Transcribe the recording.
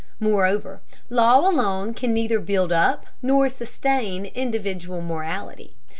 Moreover, law alone can neither build up nor sustain individual morality.